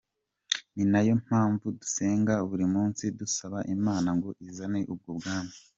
Ni nayo mpamvu dusenga buli munsi dusaba imana ngo izane ubwo bwami.